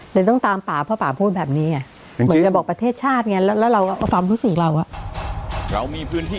เดี๋ยวต้องตามป่าเพราะป่าพูดแบบนี้ไงเหมือนจะบอกประเทศชาติไง